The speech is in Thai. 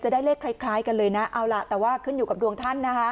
ได้เลขคล้ายกันเลยนะเอาล่ะแต่ว่าขึ้นอยู่กับดวงท่านนะคะ